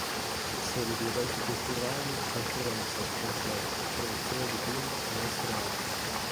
È sede di eventi culturali, conferenze, concerti, proiezioni di film, e mostre d'arte